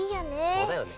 そうだよね。